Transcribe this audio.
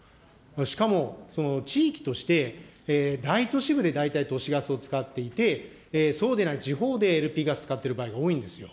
しかも地域として大都市部で大体都市ガスを使っていて、そうでない地方でＬＰガス使ってる場合が多いんですよ。